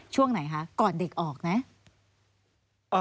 ช่วงไหนคะก่อนเด็กออกไหม